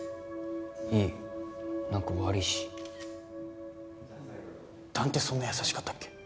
いい何か悪いし弾ってそんな優しかったっけ？